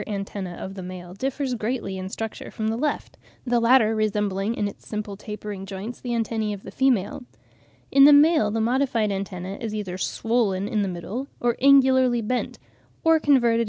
] In some of the lower crustaceans, the right anterior antenna of the male differs greatly in structure from the left, the latter resembling in its simple tapering joints the antennae of the female. In the male the modified antenna is either swollen in the middle or angularly bent, or converted (Fig.